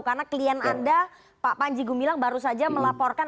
karena klien anda pak panji gumilang baru saja melaporkan